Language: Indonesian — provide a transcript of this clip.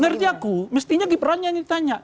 ngeri aku mestinya gibran nya yang ditanya